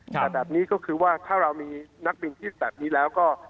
แต่แบบนี้ก็คือว่าถ้าเรามีนักบินที่แบบนี้แล้วก็